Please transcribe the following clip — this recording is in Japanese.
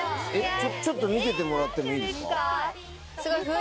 ちょっと見せてもらってもいいですか？